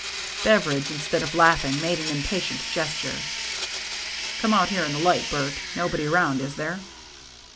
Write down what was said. Beveridge, instead of laughing, made an im patient gesture. " Come out here in the light, Bert. Nobody around, is there